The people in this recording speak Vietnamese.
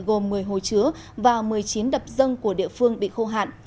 gồm một mươi hồ chứa và một mươi chín đập dâng của địa phương bị khô hạn